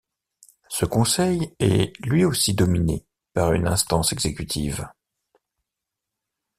Ce conseil est lui aussi dominé par une instance exécutive.